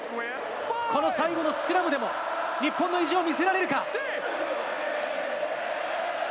この最後のスクラムでも、日本の意地を見せられるか？